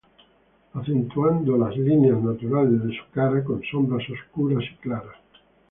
Acentuando las líneas naturales de su cara con sombras oscuras y claras.